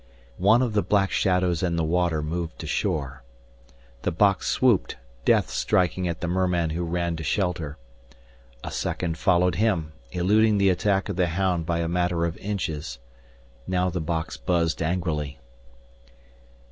One of the black shadows in the water moved to shore. The box swooped, death striking at the merman who ran to shelter. A second followed him, eluding the attack of the hound by a matter of inches. Now the box buzzed angrily.